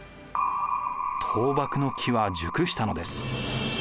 倒幕の機は熟したのです。